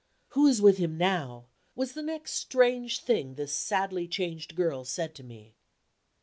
"Who is with him now?" was the next strange thing this sadly changed girl said to me.